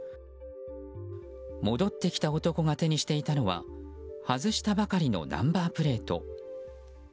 戻ってきた男が手にしていたのは外したばかりのナンバープレート。